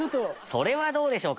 「それはどうでしょう」。